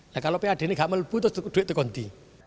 nah kalau pad ini gak meluput itu duit terganti